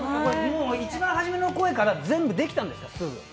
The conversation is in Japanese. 一番はじめの声からすぐできたんですか？